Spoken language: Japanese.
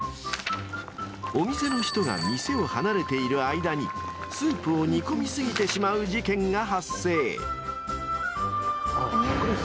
［お店の人が店を離れている間にスープを煮込み過ぎてしまう事件が発生］